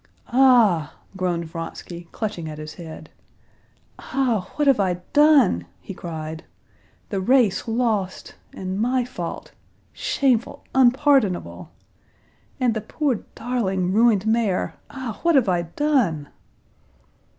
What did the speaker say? "A—a—a!" groaned Vronsky, clutching at his head. "Ah! what have I done!" he cried. "The race lost! And my fault! shameful, unpardonable! And the poor darling, ruined mare! Ah! what have I done!"